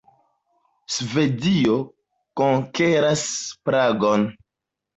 Svedio konkeras Pragon.